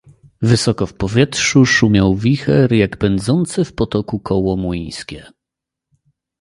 "Wysoko w powietrzu szumiał wicher, jak pędzące w potoku koło młyńskie."